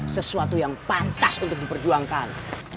sesuatu yang pantas untuk diperjuangkan